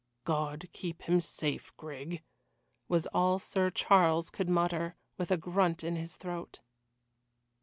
"God keep him safe, Grig," was all Sir Charles could mutter, with a grunt in his throat.